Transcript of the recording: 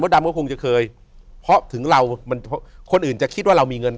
ดำก็คงจะเคยเพราะถึงเรามันคนอื่นจะคิดว่าเรามีเงิน